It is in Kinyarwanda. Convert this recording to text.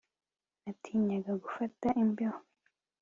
Natinyaga gufata imbeho